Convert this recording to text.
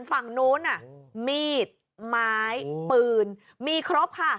ฝั่งนู้นมีดไม้ปืนมีครบค่ะ